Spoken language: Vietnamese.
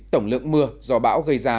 tổng lượng mưa do bão gây ra